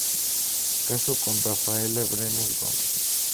Casó con Rafaela Brenes Gómez.